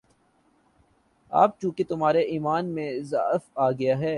اب چونکہ تمہارے ایمان میں ضعف آ گیا ہے،